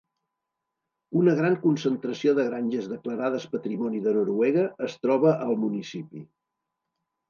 Una gran concentració de granges declarades patrimoni de Noruega es troba al municipi.